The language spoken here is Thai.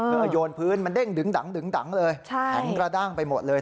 โยนพื้นมันเด้งดึงดังเลยแข็งกระด้างไปหมดเลย